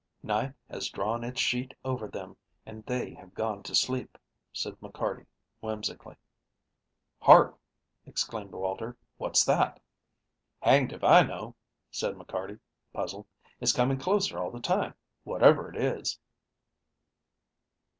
"Night has drawn its sheet over them, and they have gone to sleep," said McCarty whimsically. "Hark!" exclaimed Walter. "What's that?" "Hanged if I know," said McCarty, puzzled. "It's coming closer all the time, whatever it is."